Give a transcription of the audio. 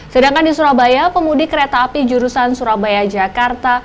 sedangkan di surabaya pemudik kereta api jurusan surabaya jakarta